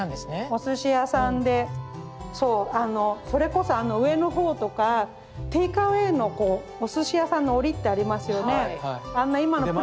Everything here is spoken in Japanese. お寿司屋さんでそうあのそれこそ上の方とかテークアウェーのお寿司屋さんの折ってありますよね。